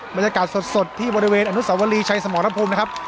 บรรยากาศสดที่บริเวณอนุสาวรีชัยสมรภูมินะครับ